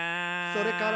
「それから」